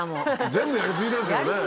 全部やり過ぎですよね。